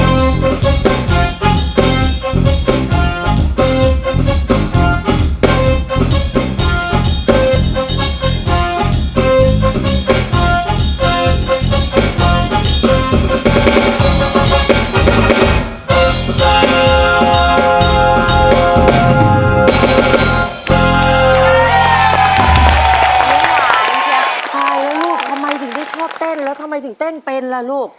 เอาลูกทำไมถึงได้ชอบเต้นแล้วทำไมถึงเต้นเป็นล่ะลูก